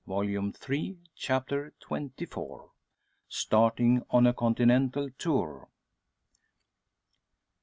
Volume Three, Chapter XXIV. STARTING ON A CONTINENTAL TOUR.